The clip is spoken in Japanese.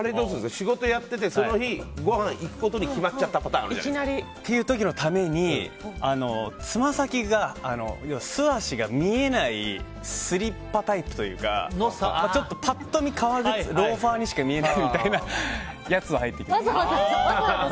仕事やっててその日ごはん行くことに決まっちゃったという時のためにつま先が、素足が見えないスリッパタイプというかちょっとパッと見ローファーにしか見えないみたいなやつを履いていきます。